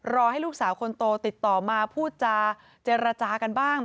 ให้ลูกสาวคนโตติดต่อมาพูดจาเจรจากันบ้าง